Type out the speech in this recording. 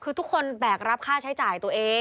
คือทุกคนแบกรับค่าใช้จ่ายตัวเอง